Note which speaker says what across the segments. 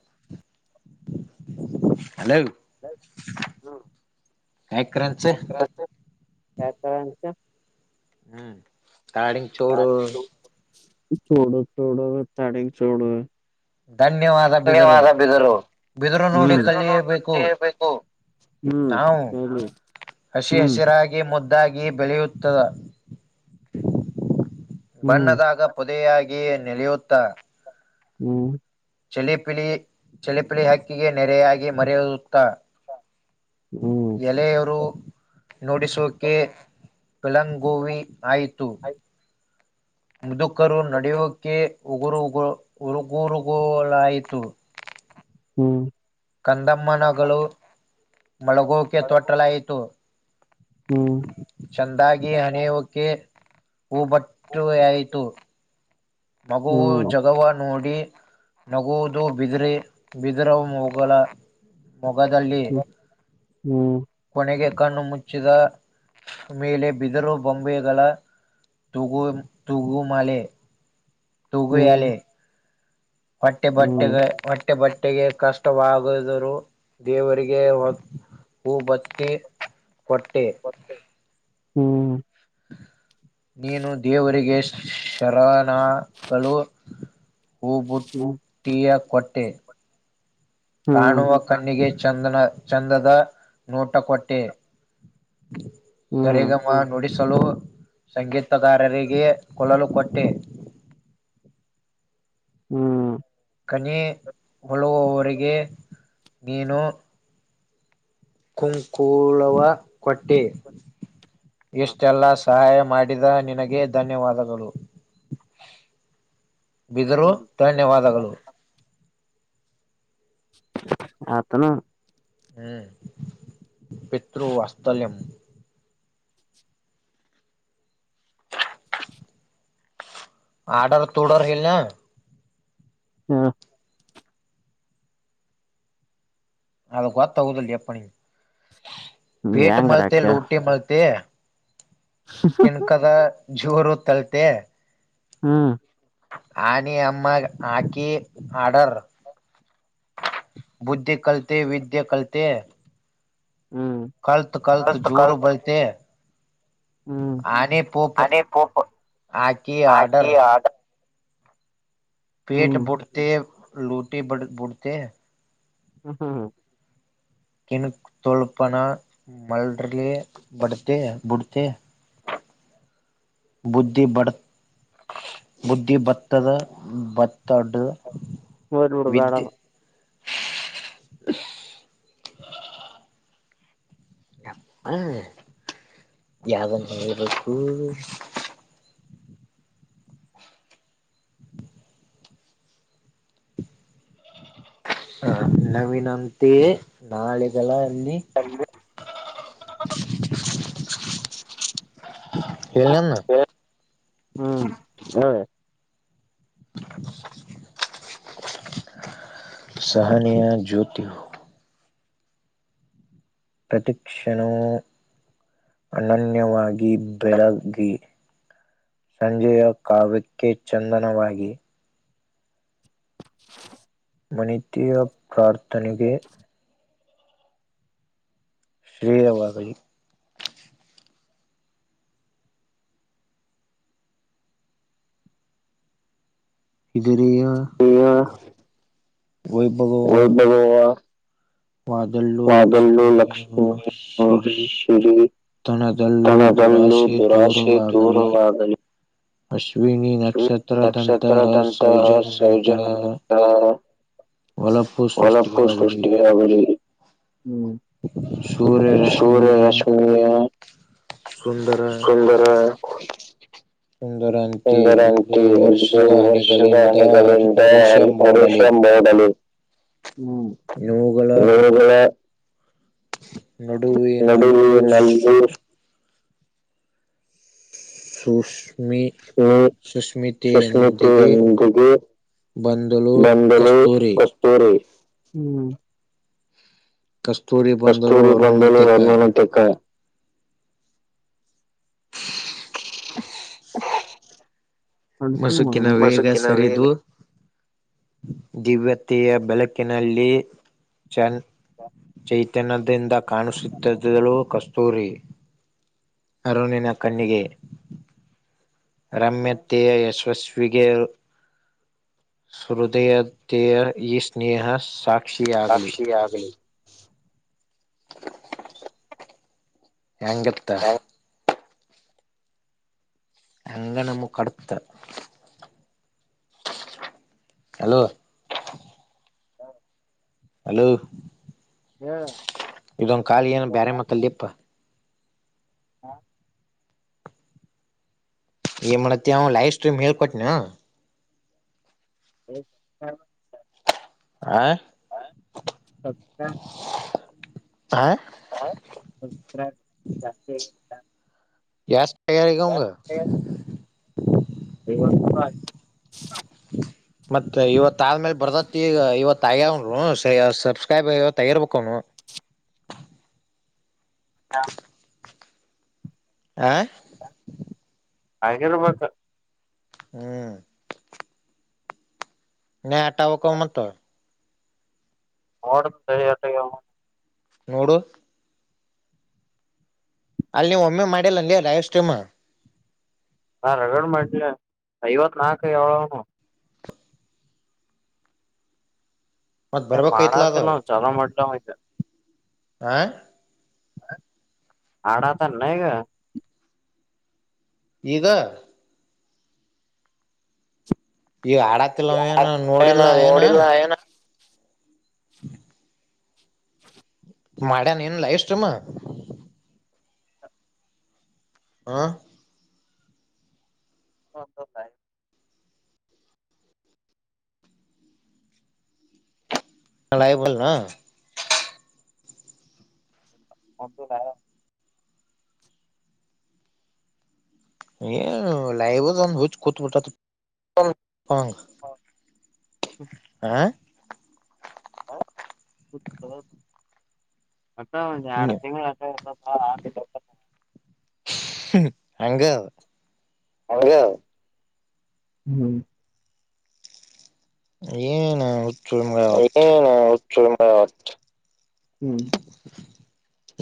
Speaker 1: Inaudible [inaudible] inaudible [inaudible] hello ಯಾಕ್ರಂಚ
Speaker 2: ಅಕರ ಎತ್ರರಚ ಅನ್ ಇಂಟೆಜಿಬಲ್
Speaker 1: ಹೂ ತಾಡಂಗ ಚೋಡು [unintelligible]
Speaker 2: ಚುಡೋ ಚುಡೋ ತಾಡಿಂಗ್ ಚುಡು
Speaker 1: ಧನ್ಯವಾದ ಬಿದರು ಬಿದರು ನೋಡಿ ಕಲಿಯಬೇಕು ನಾವು ಹಸಿ ಹಸಿರಾಗಿ ಮುದ್ದು ಮುದ್ದಾಗಿ ಬೆಳೆಯುತ್ತದೆ ಬಣ್ಣದಾಗ ಪೊದೆಯಾಗಿ ನೆಲೆಯುತ್ತಾ
Speaker 2: ಹು
Speaker 1: ಚಿಲಿ ಪಿಲಿ ಚಲಿಪ್ ಪಿಳಿ ಹಕ್ಕಿಗೆ ನೆರೆಯಾಗಿ ಮರೆಯುವ ತಾ ಎಲೆಯರು ನೋಡಿಸೋಕೆ ಪಳಂಗುವಿ ಆಯಿತು ಮುದ್ದು ಕರು ನಡೆಯುವಕೆ ಉಗುರುು ಉರುಗುರುಗಗಳಾಯಿತು [unintelligible]
Speaker 2: ಹೂ
Speaker 1: ಕಂದಮ್ಮನಗಳು ಮಲಗೋಕೆ ತೊಟಲ ಆಯ್ತು ಚಂದಾಗಿ ಹನೆಓಕೆ ಹೂಬಟ್ಟು ವೆ ಆಯಿತು ಮಗುವು ಜಗವ ನೋಡಿ [inaudible] ನಗೋದು ಬಬಿದ್ರಿ [unintelligible] ಇದ್ರ ಹೋಗಲ್ಲ [unintelligible] ಮೊಗದಲ್ಲಿ ಕೊನೆಗೆ ಕಣ್ಣು ಮುಚ್ಚಿದ ಮೇಲೆ ಬಿದರು ಬೊಂಬೆಗಳ ತೂಗು ತೂಗು ಮಳೆ. ತೊಗೊಯಾಲೆ ಹೊಟ್ಟೆ ಬಟ್ಟೆಗಳ ವಟ್ ಹೊಟ್ಟೆ ಬಟ್ಟೆಗೆ ಕಷ್ಟವಾಗದರೂ ದೇವರಿಗೆ ಹೊ ಹೂ ಬತ್ತಿ
Speaker 2: ಹೂ
Speaker 1: ನೀನು ದೇವರಿಗೆ ಶರಣಾಗಳು ಹೂ ಬುಟ್ಟಿಯ ಕೊಟ್ ಟೇ ಕಾಣುವ ಕಣ್ಣಿಗೆ ಚಂದನ ಚಂದದ ನೋಟ ಕೊಟ್ಟೆ. ಸರಿಗಮ ನುಡಿಸಲು ಸಂಗೀತಗಾರರಿಗೆ ಕೊಳಲು ಕೊಟ್ಟೆ.
Speaker 2: ಹ್ಮ್
Speaker 1: ಕಣಿ ಹೊಳುವವರಿಗೆ ನೀನು ಕುಂಕುಳವ ಕೊಟ್ಟೆ. ಇಷ್ಟೆಲ್ಲಾ ಸಹಾಯ ಮಾಡಿದ ನಿನಗೆ ಧನ್ಯವಾದಗಳು. ಬಿದರು ಧನ್ಯವಾದಗಳು.
Speaker 2: ಆತನು
Speaker 1: ಹ್ಮ್ ಪಿತೃ ವಾಸ್ಥಲ್ಯಂ. ಆರ್ಡರ್ ತೋಡರ್ ಹೇಳನ
Speaker 2: ಹ
Speaker 1: ಅದ ಗೋತ ಆಗುದಿಲ್ಲ ಎಪ್ಪ ನೀನ್ ಪೇಟ ಮತ್ತ್
Speaker 2: ಹೆಂಗರಾಕ
Speaker 1: ಲೂಟಿ ಮದ್ಯೆ ಕೆಣಕದ ಜೋರು ತಲ್ತೆ
Speaker 2: ಹ್ಮ
Speaker 1: ಆನಿ ಅಮ್ಮ ಆಕಿ ಆಡರ್ ಬುದ್ಧಿ ಕಲತೆ ವಿದ್ಯ ಕಲತೆ
Speaker 2: ಹ್ಮ್
Speaker 1: ಕಲ್ತ್ ಕಲ್ತ್ ಜೂರು ಬೈತೆ.
Speaker 2: ಹ್ಮ್
Speaker 1: ಆದಿ ಪೋಪ ಆಕಿ ಆಡರ್ ಪೇಟ
Speaker 2: ಹ್ಮ್
Speaker 1: ಬುಟ್ತೆ ಲೂಟಿ ಬಡ್ ಬುಡ್ತೆ.
Speaker 2: ಹ್ಮ ಹ್ಮ ಹ್ಮ
Speaker 1: ಕಿನಕ್ ತೊಳಪನ ಮಲ್ರ್ಲಿ ಬಡತೆ ಬುಡ್ತೆ. ಬುದ್ಧಿ ಬಡ್ ಬುದ್ಧಿ ಭತ್ತದ ಭತ್ತಡ್ಡ
Speaker 2: ಮೂ ಮೂರು ಬೇಡ
Speaker 1: [unintelligible] ಹ ಯಾವರ್ಬೇಕು ಹ ನವನಂತೆ ನಾಳೆೆಗೆಲ್ಲ ಎ ಎಲ್ಲಿನ್ನ
Speaker 2: ಹ್ಮ್ ಹೇಳಿ
Speaker 1: [inaudible] ಸಹನಿಯ ಜ್ಯೋತಿು ಪ್ರತಿಕ್ಷ್ಷಣವೂ ಅನನ್ಯವಾಗಿ ಬೆಳಗ್ಗೆಗೆ ಸಂಜೆಯ ಕಾವ್ಯಕ್ಕೆ ಚಂದನವಾಗಿ
Speaker 2: [inaudible]
Speaker 1: ಮನಿಯ ಪ್ರಾರ್ ತನಗೆ ಶ್ರೀಯ ವತಿ ಸರಿಯ ವೈಬಗೋವಾ
Speaker 2: ವೈಭವ
Speaker 1: ವಾದಲ್ಲೂ
Speaker 2: ವಾಗಲ್ಲು
Speaker 1: ಲಕ್ಷ್ಮಿಯ
Speaker 2: ಲಕ್ಷ್ಮಿ ಶ್ರೀ
Speaker 1: ಶಿರಿತನದಲ್ಲೂ
Speaker 2: ತನದಲ್ಲೂ
Speaker 1: ದುರಾಸೆ
Speaker 2: ದುರಾಶೆ
Speaker 1: ದೂರವಾಗಲಿ
Speaker 2: ದೂರವಾಗಲಿ
Speaker 1: ಅ್ ಶ್ಿನಿ ನಕ್ಷತ್ರದಂತ ಹ
Speaker 2: ನಕ್ಷತ್ರದಂತಹ
Speaker 1: ಸೌಜನ್ ಮಂತ
Speaker 2: ಸೌಜನ್ಯ
Speaker 1: [inaudible] ಒಳಪು ಸೃಷ್ಟಿಾಗಲಿ
Speaker 2: ್ ಸೂರ್ಯ
Speaker 1: ಸೂರ್ಯರಶ್ಮಿಯ
Speaker 2: ರಕ್ಷ್ಮಿಯ
Speaker 1: ಸುಂದರ
Speaker 2: ಸುಂದರ
Speaker 1: ಸುಂದರಂತೆ ಎಲ್ಲೋ
Speaker 2: ಸಂದರಂತಿ ಎ
Speaker 1: ವರ್ಷದ
Speaker 2: ವರ್ಷದ
Speaker 1: ಹನಿಗಳಿಂದ
Speaker 2: ಹಣಿಗಳಿಂದ
Speaker 1: ಹರುಷ ಮೂಡಲಿ
Speaker 2: ಅರಿಶಂಬಲು ಹ್ಮ್ ಇಳ
Speaker 1: ನಡುವೇ ನಲ್ಲು
Speaker 2: ನಡುವಿನಲ್ಲಿ
Speaker 1: ಸ ಫುಷ
Speaker 2: ನೀ ಸಶ್ಮಿತೆಗೆ
Speaker 1: ಬಂದಳು
Speaker 2: ಬಂಬಲೆ
Speaker 1: ಕಸ್ತೂರಿ
Speaker 2: ಕಸ್ತೂರೆ ಹ್ಮ್
Speaker 1: ಕಸ್ತೂರಿ ಬಂದಳು
Speaker 2: ಕಸ್ತೂರಿ ಬೆಂಬಲೂರು
Speaker 1: ಅರುಣೋಣತೆಕ
Speaker 2: ಅಮನ ತಕ್ಕ
Speaker 1: [inaudible]
Speaker 2: ಅಡ್
Speaker 1: ಮಸುಕಿನ
Speaker 2: ಸುಮ್ಮನೆ
Speaker 1: ವೇಗ
Speaker 2: ಮಸುಕಿನ ವೇಗ
Speaker 1: ಸರಿದು ದಿವ್ಯತ್ ವಿಯ ಬೆಳಕಿನಲ್ಲಿ ಚನ್ ಚೈತನ್ಯದಿಂದ ಕಾಣಿಸುತ್ತಿದ್ದಲೂ ಕಷ್ಟ ಸೂರಿ ಅರುಣಿನ ಕಣ್ಣಿಗೆ ರಮ್ಯ ತೇ ಯಸ್ವಸ್ವಿ ಸ್ಗೆ ಹೃದಯದೆಯ ಈ ಸ್ನೇಹ ಸಾಕ್
Speaker 2: ಸಾಕ್ಷಿ ಆಗ್ಲಿ
Speaker 1: ಹೆಂಗಿತ್ತ ಹಂಗ ನಮ್ಗೆ ಕಡತ ಹಲೋ
Speaker 2: ಹಾ
Speaker 1: ಹಲೋ
Speaker 2: ಹೇಳ
Speaker 1: ಇದೊಂದು ಕಾಲಿ ಏನು ಬ್ಯಾರೆ ಮಾತಾಡ್ ಲೆ ಪ್ಪಾ.
Speaker 2: ಹಾ
Speaker 1: ಏ ಮಾಡತ್ತ ಅವ್ ಲೈವ್ ಸ್ಟ್ರೀಮ್ ಹೇಳ್ಕೊಟ್ನ ಏನು
Speaker 2: [unintelligible]
Speaker 1: ಆ
Speaker 2: [unintelligible]
Speaker 1: ಹಾ
Speaker 2: [unintelligible]
Speaker 1: ಎಷ್ ಎಸ್ಟ್ ಇಯರ್ ಅವ್ಗ
Speaker 2: ಐವತ್ತು ರೂಪಾಯಿ
Speaker 1: ಮತ್ತೆ ಇವತ್ ಆದ್ಮೇಲೆ ಬರ್ದ ಗ ಇವತ್ತುಗ್ಯನ್ರ ಸಬ್ಸ್ಕ್ರೈಬ ಇವತ್ಗಿರ್ಬೇಕ ಅವನು
Speaker 2: [unintelligible]
Speaker 1: ಆ
Speaker 2: ಹಾಗಿರಬೇಕು
Speaker 1: ಹ್ಮ್ [unintelligible]
Speaker 2: ನೋಡ್ತಡಿ ಎಟ್ ಅಗ್ಯವಂತ
Speaker 1: ನೋಡು ಅಲ್ಲಿ ನೀವ್ ಒಮ್ಮೆ ಮಾಡಿಲ್ಲ ಅಲ್ಲಿಯ ಲೈವ್ ಸ್ಟ್ರೀಮ್
Speaker 2: ಹಾ ರಗಡ ಮಾಡಿನ್ಲ ಐವತ್ ನಾಕ್ ಆಗ್ಯವ ಹೇಳ್ ನನ್ವು
Speaker 1: ಮತ್
Speaker 2: ಏನ್
Speaker 1: ಬರ್ಬೇಕೈತ್ಲ ಅದ
Speaker 2: ಮಾಡಾಡ್ತಿಲ್ ನಾವ್ ಚಾಲು ಮಾಡಿ
Speaker 1: ಆ
Speaker 2: ಆಡಾತಾನ್ ನನ್ನು ಈಗ
Speaker 1: ಇಗ ಈ ಹಡಾತಿಲ್ಲವ ಏನ ನೋಡಿಲ್ಲ ನಾ ಏನ
Speaker 2: ನೋಡಿಲ್ಲ ಏನ
Speaker 1: ಹ
Speaker 2: [inaudible]
Speaker 1: ಮಾಡ್ಯನ್ ಏನು ಲೈವ್ ಸ್ಟ್ರೀಮ್ ಆ
Speaker 2: ಹ ಸಪ
Speaker 1: ಹೇಳಕ್ ಬರಳ್ನ
Speaker 2: ಒಟದ
Speaker 1: ಏನು ಲೈವದ ಒಂದ ಹುಚ್ಚ ಕುಂತ ಬಿಟ್ಟತಿ ಹಂಗ ಆ
Speaker 2: ಹ ಮತ್ತ ಒಂದ ಎರಡು ತಿಂಗಳ್ ಆತ ಆಟ ಅಡಸಪ್ಪ.
Speaker 1: ಹಂಗ ಅದ
Speaker 2: ಹಾಗ ಹ್ಮ
Speaker 1: ಏನ್ ಮಗ
Speaker 2: ಊಟ ಚೊಲೋ ಊಟ ಹಾಕಸ.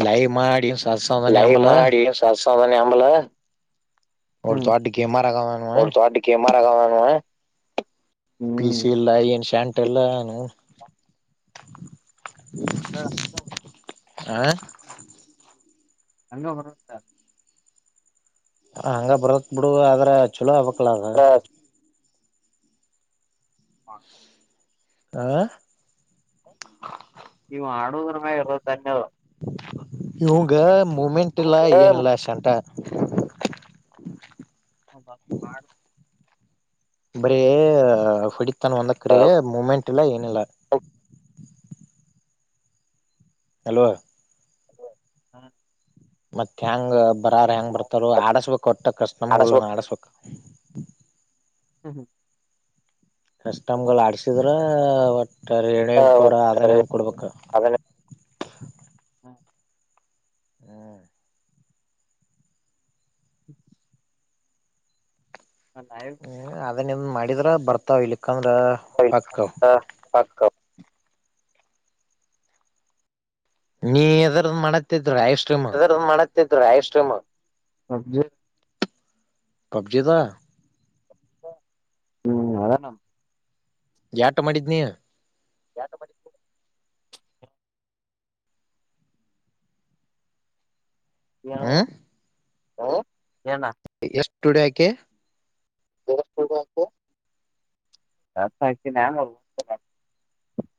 Speaker 1: ಲೈವ ಮಾಡ ಸತ್ಸ ತಾನೆ ಆಂಬಲ
Speaker 2: ತವರ ನಿ ಆಂಬಲ
Speaker 1: ಅವ ದೊಡ್ಡ ಗೆಮರ್ ಆಗವ ಅವ.
Speaker 2: ಮರಗ
Speaker 1: ಪಿ ಸಿ ಇಲ್ಲ ಏನ್ ಶಾಂಟ್ ಟ್ಟಲ್ಲನು.
Speaker 2: ನಿಚ ಮಡ [unintelligible]
Speaker 1: ಹಾ
Speaker 2: ಹಂಗ ಬರಕ ಸರ್.
Speaker 1: ಹಂಗ ಬರತ್ ಬಿಡು ಆದ್ರ ಚಲೋ ಅವಕ್ ಕಪ್ಪಳಾಗ
Speaker 2: ಹ
Speaker 1: ಆ
Speaker 2: ಈವು ಮಾಡುವುದ್ರಮೇ ಇರತತಿ ನ್ಯ
Speaker 1: ಇವಂಗ ಮೂಮೆಂಟ್ ಇಲ್ಲ
Speaker 2: ಹ
Speaker 1: ಏನಿಲ್ಲ ಶಂಟ. [unintelligible]
Speaker 2: ಹ ಬ ಮಾಡ
Speaker 1: ಬರೀ ಹೊಡಿಿತಾನ ವಂದಕ್ಕ್ರ ಮ ಮೂಮೆಂಟ್ ಇಲ್ಲ ಏನಿಲ್ಲ. ಹಲೋ
Speaker 2: ಹ್ಮ
Speaker 1: ಮತ್ತೆ ಹೆಂಗ. ಬರಾರ ಹೆಂಗ್ ಬರ್ತಾರ ಆಡಸ್ಬೇಕ್ ಕೊಟ್ಟ ಕಸ್ಟಮ್ ಆಡಸ್ಬೇಕಕ್. [unintelligible]
Speaker 2: ಹ್ಮ್ ಹ್ಮ
Speaker 1: ಎಷ್ಟ್ ಗಲ್ಲ ಆಡಸಿ [inaudible] ಎಣೆಮ ಕೊೂಡ ಅದನೇ
Speaker 2: ಮಾಡತ್ತಿದ್ರು
Speaker 1: ಕೊಡ್ಬೇಕು
Speaker 2: ಹಾ
Speaker 1: ಹ್ಮ್ ಹ್ಮ ಅದನ್ನನ್್ ಮಾಡಿದ್ರ ಬರ್ತಾವ ಇಲಕ್ಕಂದ್ರ ವಾಕ್
Speaker 2: ಹಕ್ಕ
Speaker 1: ನೀ ಎದ್ರ್ದ ಮಾಡತ್ತ ರಾಯಲ್ ಸ್ಟ್ರೀಮ್
Speaker 2: ರಾಯ ಕ್ರೀಮ್
Speaker 1: ಪಬ್ಜಿದ
Speaker 2: ಹ್ಮ್ ಅದಾನ
Speaker 1: ಯಾಟ ಮಾಡಿದ್ನಿ
Speaker 2: ಎಡು ಮ ಯ ಏನ
Speaker 1: ಎಷ್ಟ ಜಡೆ ಯಾಕೆ
Speaker 2: ತ ನ [unintelligible]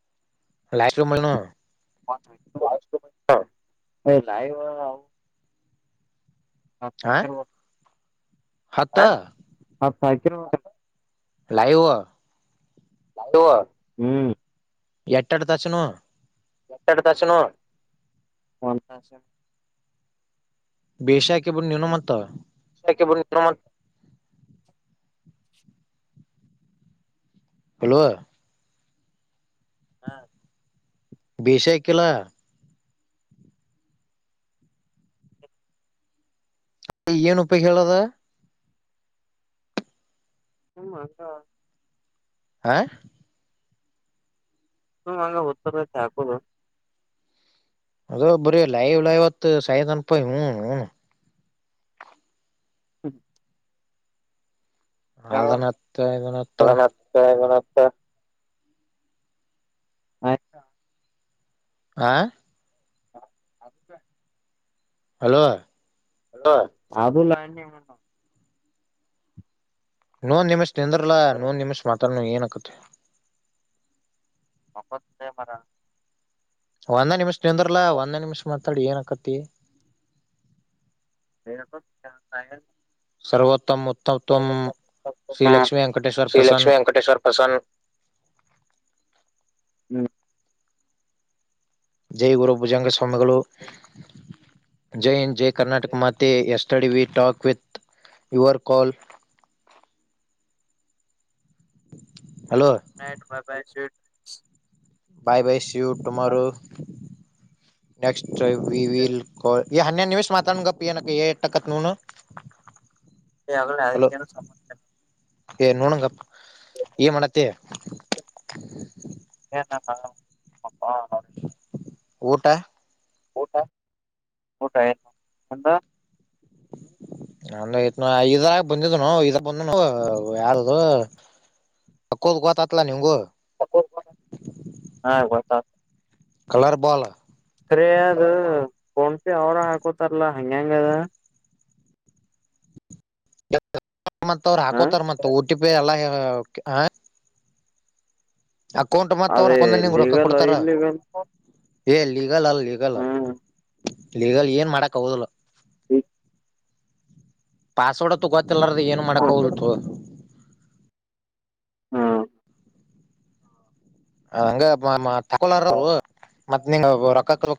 Speaker 1: ಲೈವ್ ಸ್ಟ್ರೀಮ್ ನು
Speaker 2: ಲವ [inaudible] ಹತ
Speaker 1: ಹ
Speaker 2: ಕೆ [inaudible]
Speaker 1: ಹತ್ತ
Speaker 2: ಸಹ [inaudible]
Speaker 1: ಲೈವ
Speaker 2: ಯ ಹ್ಮ್
Speaker 1: ಎಟ್ಟಡತಾಚನ
Speaker 2: ಎತ್ತಡ ದರ್ಶನ
Speaker 1: ವೈಶ್ಯ ಬ ನೀನು ಮತ್ತ
Speaker 2: ವ ನಿ್ರಮ [inaudible]
Speaker 1: ಬಲುವ
Speaker 2: ಹಾ
Speaker 1: ಬಷಾಯಕಲ ಏನ್ ಉಪ ಹೇಳದ
Speaker 2: ಹಮ್ಮ ಅಂತ
Speaker 1: ಹ
Speaker 2: ಹ ಹಂಗ ಉತ್ತ ಹಾಕುದು
Speaker 1: ಅದ ಬರೀ ಲೈವ್ ಲೈವ್ತ್ ಸಾಯ ತ ಅನಪಾಯಿ ಇವನು ಅವನು ಹ
Speaker 2: ಹ [unintelligible]
Speaker 1: ಅದನತ್ತ ಇದನತ್ತ
Speaker 2: ಹಾ ಆತಾ [inaudible]
Speaker 1: ಆ
Speaker 2: ಹ ಅದು [inaudible]
Speaker 1: ಹಲೋ
Speaker 2: ಹ ಆಬು ಲ
Speaker 1: ನೋ ನಿಮಿಷ ಚಂದ್ರಲಾ ಲೋ ನಿಮಿಷ ಮಾಡ ಏನಕುತ್ತೆ
Speaker 2: [inaudible]
Speaker 1: ಒಂದೇ ನಿಮಿಷ್ ಚಂದ್ರಲ್ಲ ಒಂದೇ ನಿಮಿಷ್ ಮಾಡ್ ತಡಿ ಏನಕಪ್ಪಿ
Speaker 2: [inaudible]
Speaker 1: ಸರ್ವೋತ್ತಮ ತೌತ್ಮ್ ಶ್ರೀಲಕ್ಷ್ಮೀ ವೆಂಕಟೇಶ್ವರ್
Speaker 2: ಶ್ರೀ ಲಕ್ಷ್ಮೀ
Speaker 1: ಪ್ರಸನ್ನ
Speaker 2: ವೆಂಕಟೇಶ್ವರ್ ಪ್ರಸನ್ ಹ್ಮ್
Speaker 1: ಜಯ ಗುರು ಭುಜಂಗ ಕಂಬಗಳು ಜೈಯಿನ್ ಜೈ ಕರ್ನಾಟಕ ಮಾತೆ ಎಷ್ಟು ತಡವಿ we talk with your call hello
Speaker 2: [inaudible] [unintelligible]
Speaker 1: bye bye see you tomorrow next we will call ಈ ಹನ್ನೆ ನಿಮಿಷ ಮಾತಡಿ ಗಪ್ಪಿ ಏನಕ್ಕೆ ಎಟಕತ್ ನುನು
Speaker 2: ಹೇ ಅಲ್ಲ ಅದಿಕೆನು
Speaker 1: ಏ ನೋಣೋಗಪ್ಪ ಏನ್ ಮಾಡತಿ
Speaker 2: [inaudible] ಮಪ್ಪ
Speaker 1: ಊಟ
Speaker 2: ಊಟ ಆಯ್ತು ಊಟ
Speaker 1: ಇದರಾಗ ಬಂದಿದನು ಇದ ಬಂದನು ಯಾರದು ತಕ್ಕೋದ ಗೋತತ್ಲಾ ನಿಂಗಗು
Speaker 2: ಹಾ ಗೊತ್ತು
Speaker 1: ಕಲರ್ ಬಲ್
Speaker 2: ಸರಿ ಅದು ಪೋಣಿಸಿ ಅವ್ರ ಹಾಕೋತಾರಲ್ಲಾ ಹಂಗ ಹಂಗ ಅದ
Speaker 1: [unintelligible] ಮತ್ ಅವರು
Speaker 2: ಹ
Speaker 1: ಹಾಕೋತಾರ ಮತ್ ಓ ಟಿ ಪಿ ಎಲ್ಲಾ ಓಕೆ ಆ ಅವ್ರ
Speaker 2: ಅದೇ
Speaker 1: ಹಾಕೊಂಡ ನಿಂಗ್ ರೊಕ್ಕ
Speaker 2: ಲೀಗಲ್
Speaker 1: ಕೊಡ್ತಾರ
Speaker 2: ಇಲ್ಲಿಗಲ್
Speaker 1: ಏ ಲೀಗಲ್ ಅಲ್ಲ ಲೀಗಲ್ ಲೀಗಲ್ ಏನ್ ಮಾಡಕ್ ಹೌದಲ್ಲ
Speaker 2: ಹ್ಮ
Speaker 1: ಪಾಸವಡೆ ತಕೋತ ಲ್ದ ಏನು ಮಾಡಕ್
Speaker 2: ಹ್ಮ
Speaker 1: ಆಗಳ್ದು ತಕೊ
Speaker 2: ಹಾ
Speaker 1: ಂಗ ತೋಲಾರರು ಮ. ರಕ್ಕಕ್ಕಲ್ಲ.